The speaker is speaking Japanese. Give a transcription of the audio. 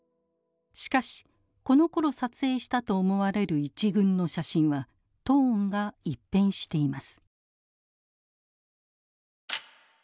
しかしこのころ撮影したと思われる一群の写真はトーンが一変しています。